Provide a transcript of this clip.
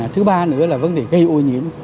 thứ ba nữa là vấn đề gây ô nhiễm